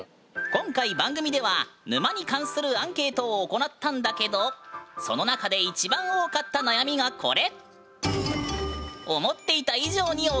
今回番組では沼に関するアンケートを行ったんだけどその中で一番多かった悩みがこれ！